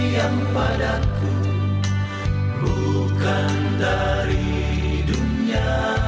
yang padaku bukan dari dunia